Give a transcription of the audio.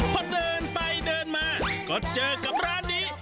พอเดินไปเดินมาก็เจอกับร้านนี้